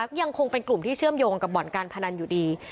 ยังคงเป็นกลุ่มที่เชื่อมโยงกับบ่อนการพนันอยู่ดี